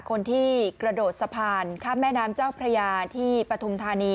คนที่กระโดดสะพานข้ามแม่น้ำเจ้าพระยาที่ปฐุมธานี